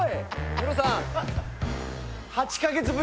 ムロさん。